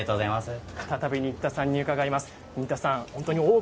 再び、新田さんに伺います。